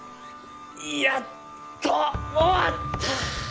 やっと終わった。